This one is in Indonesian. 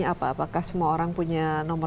apa apakah semua orang punya nomor